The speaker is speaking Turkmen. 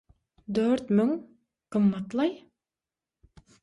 – Dört müň?! Gymmat-laý.